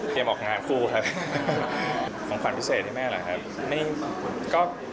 ของความพิเศษให้แม่เราค่ะ